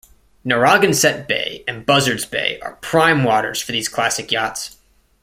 Narragansett Bay and Buzzards Bay are prime waters for these classic yachts.